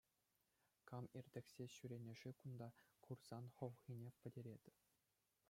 Кам иртӗхсе ҫӳренӗ-ши кунта, курсан хӑлхине пӗтӗретӗп.